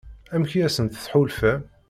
Amek i asent-tḥulfam?